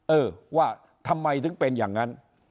เออว่าทำไมถึงเป็นอย่างนั้น